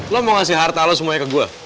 lo mau ngasih harta lo semuanya ke gue